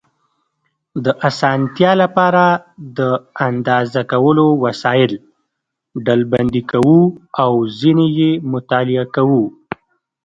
د اسانتیا لپاره د اندازه کولو وسایل ډلبندي کوو او ځینې یې مطالعه کوو.